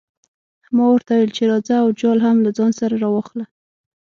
ما ورته وویل چې راځه او جال هم له ځان سره راواخله.